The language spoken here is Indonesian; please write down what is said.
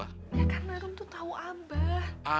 ya karena rum tuh tau abah